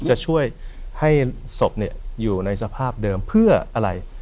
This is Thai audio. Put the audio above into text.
แล้วก็ช่วยให้ศพเนี่ยอยู่ในสภาพเดิมเพื่ออะไร